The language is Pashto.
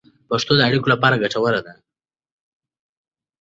پښتو د اړیکو لپاره ګټوره ده.